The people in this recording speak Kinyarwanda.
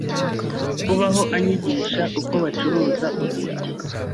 kubaho anyigisha uko bacuruza urumogi